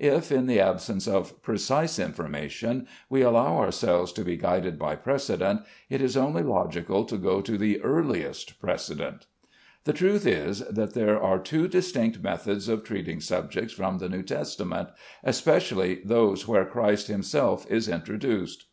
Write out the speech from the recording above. If in the absence of precise information we allow ourselves to be guided by precedent, it is only logical to go to the earliest precedent. The truth is that there are two distinct methods of treating subjects from the New Testament, especially those where Christ himself is introduced.